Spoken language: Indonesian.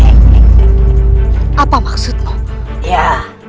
ya aku tidak akan mencelakainya